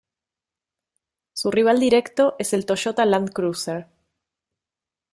Su rival directo es el Toyota Land Cruiser.